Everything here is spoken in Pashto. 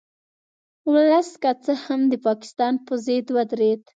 ولس که څه هم د پاکستان په ضد ودرید